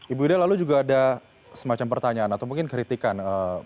ibu ida lalu juga ada semacam pertanyaan atau mungkin kritikan